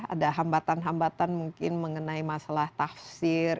ada hambatan hambatan mungkin mengenai masalah tafsir